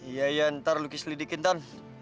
iya iya ntar luki selidikin tante